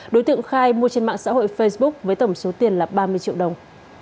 đối tượng khai mua trên mạng xã hội facebook với tổng số tiền là ba mươi triệu đồng